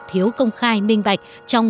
thiếu công khai minh bạch trong